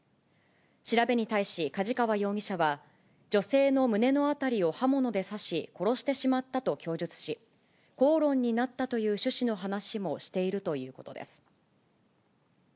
調べに対し、梶川容疑者は、女性の胸の辺りを刃物で刺し、殺してしまったと供述し、口論になったという趣旨の話もしているということです。